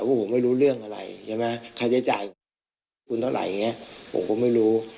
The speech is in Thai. ว่าผมไม่รู้เรื่องอะไรใช่ไหมใครจะจ่ายคุณเท่าไรอ่ะผมก็ไม่รู้